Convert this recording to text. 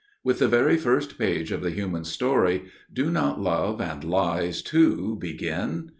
With the very first page of the human story do not love, and lies too, begin?